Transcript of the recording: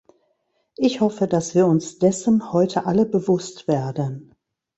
Ich hoffe, dass wir uns dessen heute alle bewusst werden.